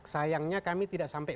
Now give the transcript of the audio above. sayangnya kami tidak sampai